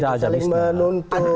dan itu saling menuntut